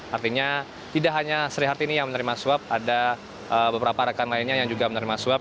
artinya tidak hanya sri hartini yang menerima suap ada beberapa rekan lainnya yang juga menerima suap